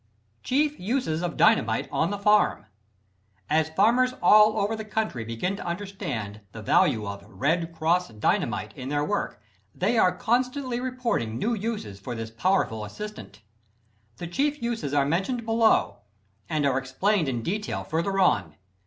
Chief Uses of Dynamite on the Farm. As farmers all over the country begin to understand the value of "Red Cross" Dynamite in their work, they are constantly reporting new uses for this powerful assistant. The chief uses are mentioned below and are explained in detail further on.